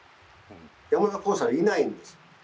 山田耕作はいないんです。